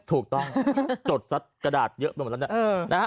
ถูกต้องจดซัดกระดาษเยอะไปหมดแล้วนะ